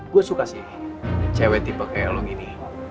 gue suka sih cewek tipe kayak lo gini